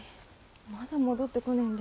まだ戻ってこねぇんで。